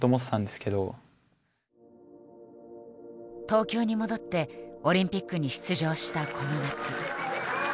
東京に戻ってオリンピックに出場したこの夏。